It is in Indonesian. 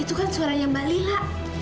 itu kan suaranya mbak lila